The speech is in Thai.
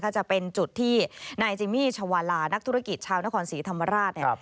จะเป็นจุดที่นายจิมี่ชาวาลานักธุรกิจชาวนครศรีธรรมราช